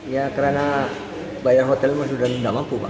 ya karena bayar hotelnya sudah gak mampu pak